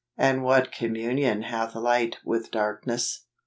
and what communion hath light with darkness